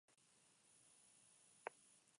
Perfil en national-football-teams.com